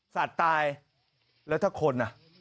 สัตว์ตายแล้วถ้าคนอ่ะ